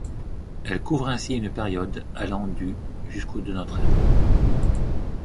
Elles couvrent ainsi une période allant du jusqu'au de notre ère.